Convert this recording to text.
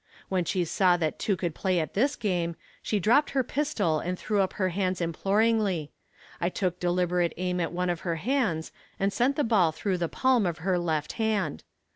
When she saw that two could play at this game, she dropped her pistol and threw up her hands imploringly. I took deliberate aim at one of her hands, and sent the ball through the palm of her left hand.